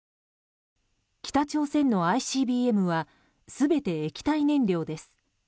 北朝鮮のＩＣＢＭは全て液体燃料です。